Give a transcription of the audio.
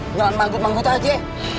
ngelan manggut manggut aja ya